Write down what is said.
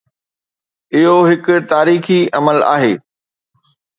اهو هڪ تاريخي عمل آهي.